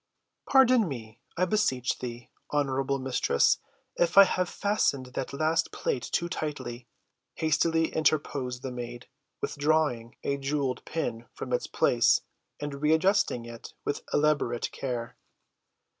"Pardon me, I beseech thee, honorable mistress, if I have fastened that last plait too tightly," hastily interposed the maid, withdrawing a jeweled pin from its place and readjusting it with elaborate care.